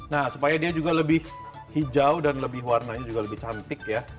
nah supaya dia juga lebih hijau dan lebih warnanya juga lebih cantik ya